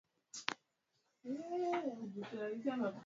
tunatafuta anuani nzuri na rahisi ya tovuti